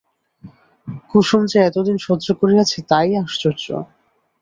কুসুম যে এতদিন সহ্য করিয়াছে তাই আশ্চর্য।